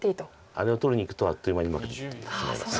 あれを取りにいくとあっという間に負けてしまいます。